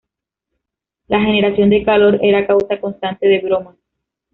La generación de calor era causa constante de bromas.